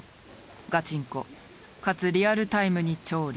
ガチンコかつリアルタイムに調理。